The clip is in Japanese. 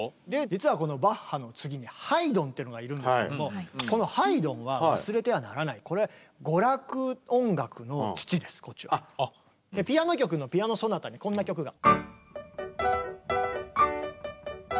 実はこのバッハの次にハイドンってのがいるんですけどもこのハイドンは忘れてはならないピアノ曲の「ピアノ・ソナタ」にこんな曲が。